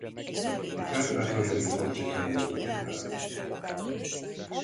A Kárpátaljai Fancsikán nőtt fel.